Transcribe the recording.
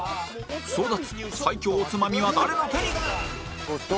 争奪最強おつまみは誰の手に？